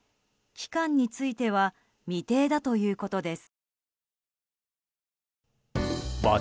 期間については未定だということです。